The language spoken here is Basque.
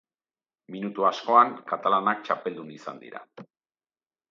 Minutu askoan katalanak txapeldun izan dira.